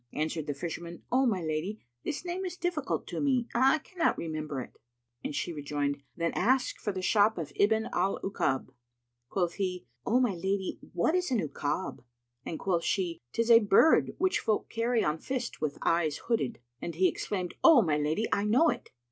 Answered the Fisherman, "O my lady, this name is difficult to me; I cannot remember it." And she rejoined, "Then ask for the shop of Ibn al 'Ukáb."[FN#291] Quoth he, "O my lady, what is an 'Ukab?"; and quoth she, "'Tis a bird which folk carry on fist with eyes hooded." And he exclaimed, "O my lady, I know it."